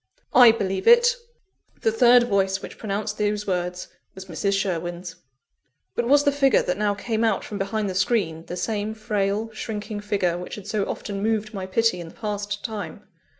"I believe it!" The third voice which pronounced those words was Mrs. Sherwin's. But was the figure that now came out from behind the screen, the same frail, shrinking figure which had so often moved my pity in the past time?